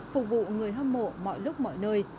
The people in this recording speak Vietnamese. phục vụ người hâm mộ mọi lúc mọi nơi